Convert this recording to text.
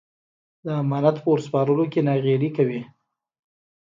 د امانت په ور سپارلو کې ناغېړي کوي.